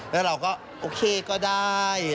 แล้วเราก็โอเคก็ได้